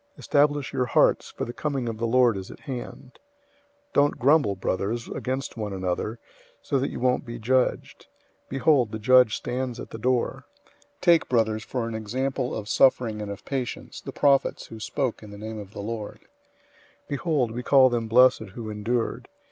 Establish your hearts, for the coming of the Lord is at hand. 005:009 Don't grumble, brothers, against one another, so that you won't be judged. Behold, the judge stands at the door. 005:010 Take, brothers, for an example of suffering and of patience, the prophets who spoke in the name of the Lord. 005:011 Behold, we call them blessed who endured.